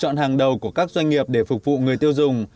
đây là lựa chọn hàng đầu của các doanh nghiệp để phục vụ người tiêu dùng